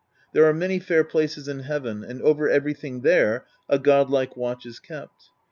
There are many fair places in heaven, and over everything there a godlike watch is kept.